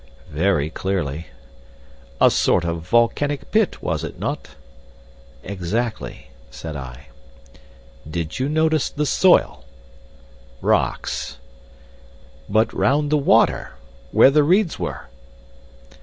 "Very clearly." "A sort of volcanic pit, was it not?" "Exactly," said I. "Did you notice the soil?" "Rocks." "But round the water where the reeds were?"